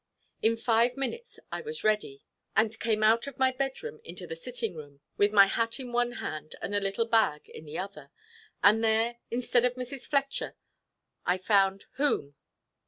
In five minutes I was ready, and came out of my bedroom into the sitting room, with my hat in one hand, and a little bag in the other; and there, instead of Mrs. Fletcher, I found, whom?